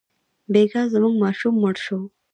بېګا زموږ ماشوم مړ شو.